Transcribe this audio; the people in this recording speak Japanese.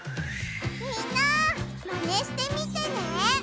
みんなマネしてみてね！